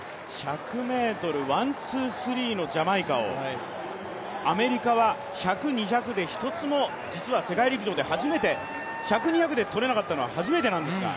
１００ｍ、ワン・ツー・スリーのジャマイカをアメリカは１００、２００で１つも、実は世界陸上で１００、２００で取れなかったのは初めてなんですが。